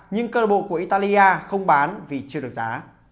nhưng cơ đội bộ của italia không bán vì chưa được giá